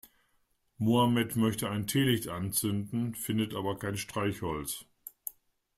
Mohammed möchte ein Teelicht anzünden, findet aber kein Streichholz.